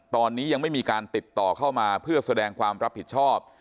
ตอนนี้ยังไม่มีการติดต่อเข้ามาเพื่อแสดงความรับผิดชอบ